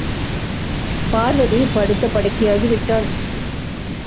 பார்வதி படுத்த படுக்கையாகி விட்டாள்.